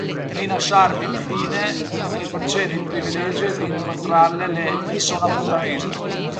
Nina Sharp infine le concede il privilegio di incontrarlo e le fissa un appuntamento.